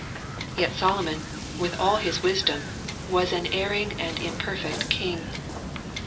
Yet Solomon, with all his wisdom, was an erring and imperfect king.